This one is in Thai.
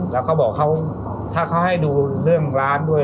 แล้วเขาบอกเขาถ้าเขาให้ดูเรื่องร้านด้วย